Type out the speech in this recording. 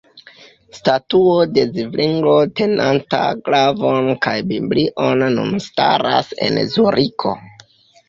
Statuo de Zvinglo tenanta glavon kaj Biblion nun staras en Zuriko.